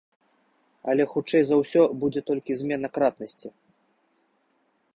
Але, хутчэй за ўсё, будзе толькі змена кратнасці.